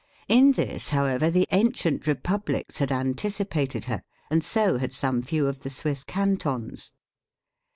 In this, however, the ancient republics had antici pated her, and so had some few of the Swiss can tons.